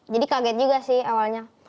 jadi kaget juga sih awalnya